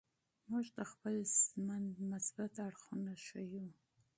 موږ د خپل ژوند مثبت اړخونه ښیو.